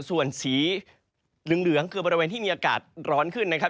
ส่วนสีเหลืองคือบริเวณที่มีอากาศร้อนขึ้นนะครับ